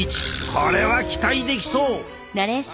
これは期待できそう！